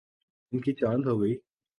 ان کی چاندی ہو گئی۔